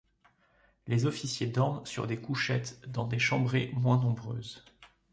Les officiers dorment sur des couchettes dans des chambrées moins nombreuses.